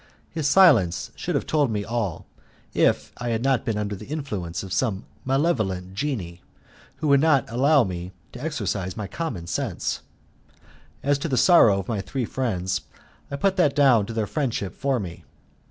His silence should have told me all, if I had not been under the influence of some malevolent genii who would not allow me to exercise my common sense: as to the sorrow of my three friends, I put that down to their friendship for me.